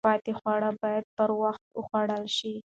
پاتې خواړه باید پر وخت وخوړل شي.